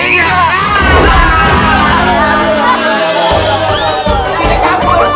aduh aduh aduh